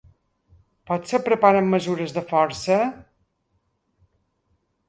Potser preparen mesures de força?